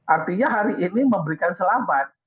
artinya hari ini memberikan selamat